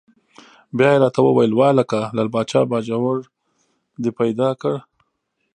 بیا یې را ته وویل: وهلکه لعل پاچا باجوړ دې پیدا کړ؟!